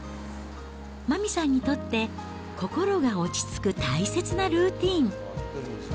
麻美さんにとって心が落ち着く大切なルーティン。